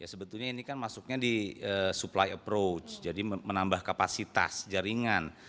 sebetulnya ini kan masuknya di supply approach jadi menambah kapasitas jaringan